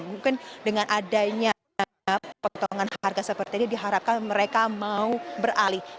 mungkin dengan adanya potongan harga seperti ini diharapkan mereka mau beralih